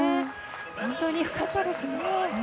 本当によかったですね。